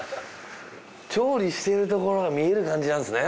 調理してるところが見える感じなんですね。